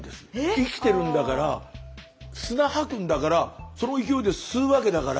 生きてるんだから砂吐くんだからその勢いで吸うわけだから。